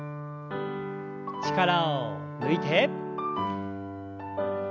力を抜いて。